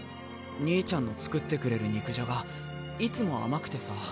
兄ちゃんの作ってくれる肉じゃがいつもあまくてさ